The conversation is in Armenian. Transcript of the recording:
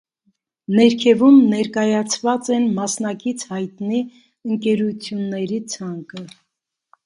Ներքևում ներկայացված են մասնակից հայտնի ընկերությունների ցանկը։